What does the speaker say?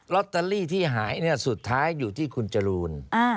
ลอตเตอรี่ที่หายสุดท้ายอยู่ที่คุณจรูน